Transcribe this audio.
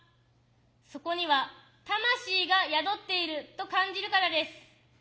そこには魂が宿っていると感じるからです。